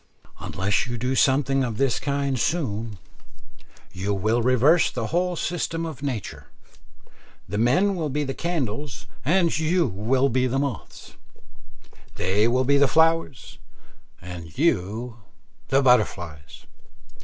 Unless you do something of this kind soon, you will reverse the whole system of nature. The men will be the candles and you the moths; they will be the flowers, and you the butterflies.